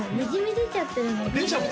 出ちゃってる？